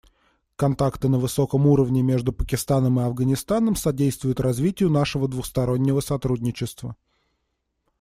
Контакты на высоком уровне между Пакистаном и Афганистаном содействуют развитию нашего двустороннего сотрудничества.